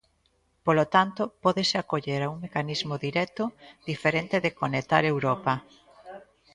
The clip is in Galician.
Polo tanto, pódese acoller a un mecanismo directo diferente de Conectar Europa.